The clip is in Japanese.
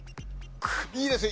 いいですよ